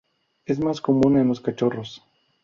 Es más común en los cachorros.